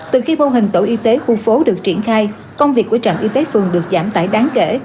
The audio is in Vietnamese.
từ khi mô hình tổ y tế khu phố được triển khai công việc của trạm y tế phường được giảm tải đáng kể